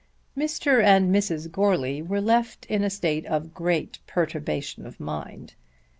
Mr. and Mrs. Goarly were left in a state of great perturbation of mind.